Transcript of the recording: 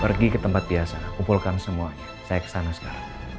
pergi ke tempat biasa kumpulkan semuanya saya kesana sekarang